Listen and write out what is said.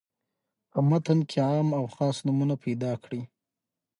په متن کې عام او خاص نومونه پیداکړي.